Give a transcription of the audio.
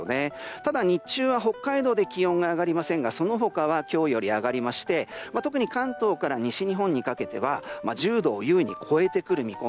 ただ、日中は北海道で気温が上がりませんがその他は今日より上がりまして特に関東から西日本にかけては１０度を優に超えてくる見込み。